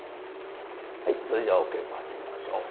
はいそれじゃお稽古始めましょう。